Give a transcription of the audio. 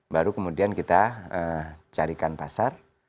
baru kemudian kita carikan pasar